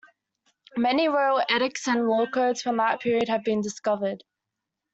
Many royal edicts and law-codes from that period have been discovered.